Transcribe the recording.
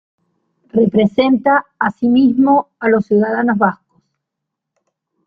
Representa, asimismo, a los ciudadanos vascos.